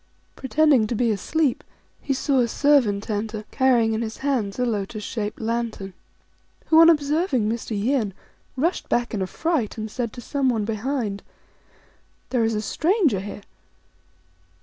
Pretending to be asleep, he saw a servant enter, carrying in his hand a lotus shaped lantern, 3 who, on observing Mr. Yin, rushed back in a fright, and said to someone behind, " There is a stranger here